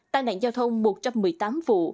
tai nạn giao thông một trăm một mươi tám vụ